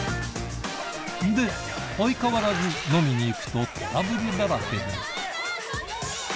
で、相変わらず飲みに行くとトラブルだらけで。